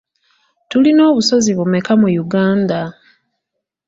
Tulina obusozi bumeka mu Uganda?